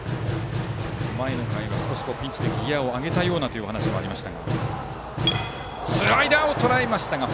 前の回は少しピンチでギヤを上げたようなお話もありました。